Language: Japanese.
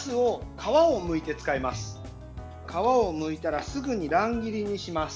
皮をむいたらすぐに乱切りにします。